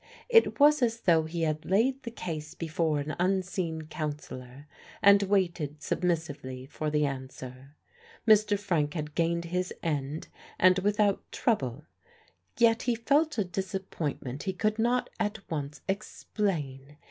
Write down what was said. It was as though he had laid the case before an unseen counsellor and waited submissively for the answer. Mr. Frank had gained his end and without trouble: yet he felt a disappointment he could not at once explain.